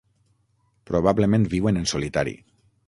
Probablement viuen en solitari.